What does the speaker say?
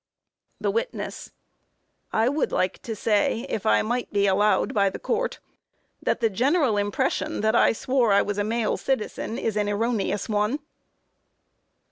THE WITNESS: I would like to say, if I might be allowed by the Court, that the general impression that I swore I was a male citizen, is an erroneous one.